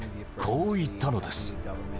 こう言ったのです。